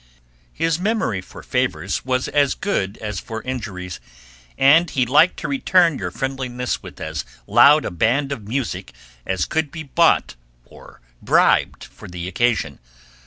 His memory for favors was as good as for injuries, and he liked to return your friendliness with as loud a band of music as could be bought or bribed for the occasion.